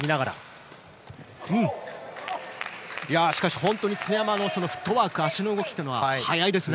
しかし本当に常山のフットワーク足の動きというのは速いですね。